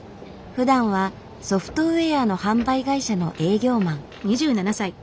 ふだんはソフトウェアの販売会社の営業マン。